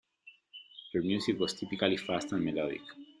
Their music was typically fast and melodic.